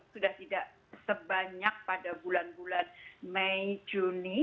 sudah tidak sebanyak pada bulan bulan mei juni